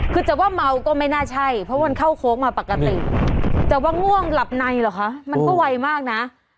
คือจะว่าเมาก็ไม่น่าใช่เพราะมันเข้าโค้งมาปกติแต่ว่าง่วงหลับในเหรอคะมันก็ไวมากนะ